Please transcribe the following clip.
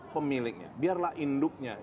pemiliknya biarlah induknya